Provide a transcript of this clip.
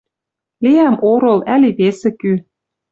Лиӓм орол ӓли весӹ кӱ.